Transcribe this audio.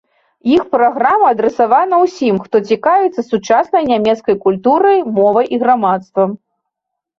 Іх праграма адрасавана ўсім, хто цікавіцца сучаснай нямецкай культурай, мовай і грамадствам.